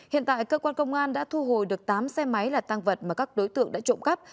hiện tại cơ quan công an đã thu hồi được tám xe máy là tăng vật mà các đối tượng đã trộm cắp